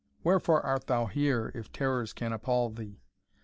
Wherefore art thou here, if terrors can appal thee?